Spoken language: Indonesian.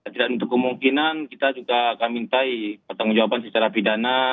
tidak untuk kemungkinan kita juga akan mintai pertanggung jawaban secara pidana